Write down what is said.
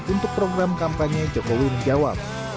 untuk program kampanye jokowi di jawa